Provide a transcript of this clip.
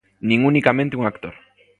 Nin unicamente un actor.